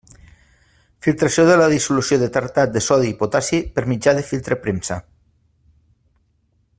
Filtració de la dissolució de tartrat de sodi i potassi per mitjà de filtre premsa.